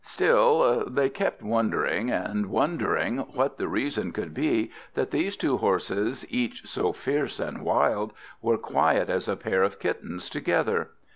Still, they kept wondering and wondering what the reason could be that these two horses, each so fierce and wild, were quiet as a pair of kittens together.